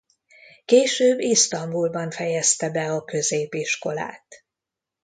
Később Isztambulban fejezte be a középiskolát.